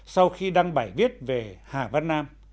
sau khi đăng bài viết về hà văn nam